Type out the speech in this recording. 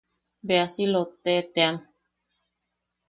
Be si lotte tean.